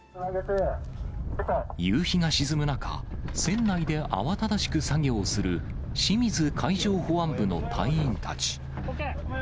夕日が沈む中、船内で慌ただしく作業をする、清水海上保安部の隊員たち。